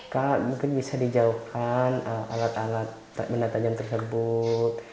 kak mungkin bisa dijauhkan alat alat benda tajam tersebut